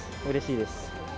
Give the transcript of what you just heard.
うれしいです。